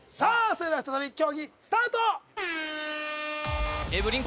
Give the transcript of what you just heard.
それでは再び競技スタートエブリン